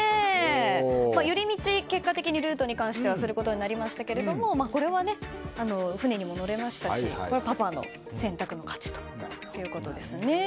寄り道、結果的にルートに関してはすることになりましたけれどもこれは船にも乗れましたしパパの選択の勝ちということですね。